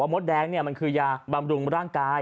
มดแดงมันคือยาบำรุงร่างกาย